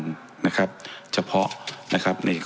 ท่านจะวินิจฉัยมานั้นนะครับซึ่ง